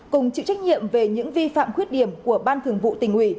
cùng chịu trách nhiệm về những vi phạm khuyết điểm của ban thường vụ tỉnh ủy